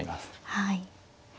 はい。